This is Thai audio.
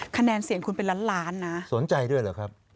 คะแนนเสียงคุณเป็นล้านล้านนะสนใจด้วยเหรอครับ